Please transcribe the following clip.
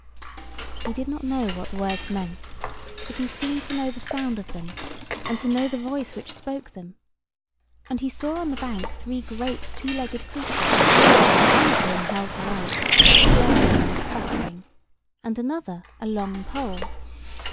He did not know what the words meant: but he seemed to know the sound of them, and to know the voice which spoke them; and he saw on the bank three great two legged creatures, one of whom held the light, flaring and sputtering, and another a long pole.